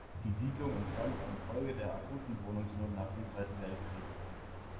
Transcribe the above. Die Siedlung entstand infolge der akuten Wohnungsnot nach dem Zweiten Weltkrieg.